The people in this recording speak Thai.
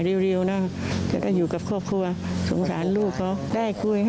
มีน้ำใจมาช่วย